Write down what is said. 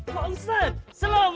pak ustadz assalamualaikum